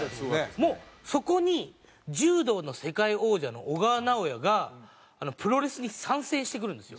もうそこに柔道の世界王者の小川直也がプロレスに参戦してくるんですよ。